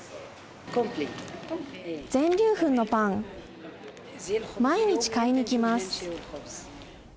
全粒粉のパン、毎日買いに来ます。